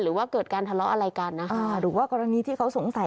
หรือว่าเกิดการทะเลาะอะไรกันนะคะ